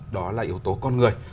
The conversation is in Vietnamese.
đó là yếu tố con người